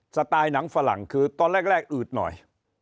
สไตล์หนังฝรั่งคือตอนแรกอืดหน่อย